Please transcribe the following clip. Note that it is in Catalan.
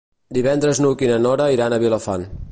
Divendres n'Hug i na Nora iran a Vilafant.